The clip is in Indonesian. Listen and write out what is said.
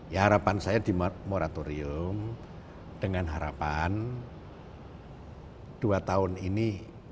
ya harapan saya di moratorium dengan harapan dua tahun ini